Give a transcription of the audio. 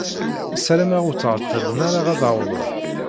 Ssarameɣ ur ttɛeḍḍilen ad d-awḍen.